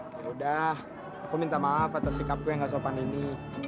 ya udah aku minta maaf atas sikapku yang gak sopan ini